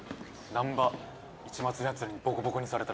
難破市松のやつらにボコボコにされたらしい。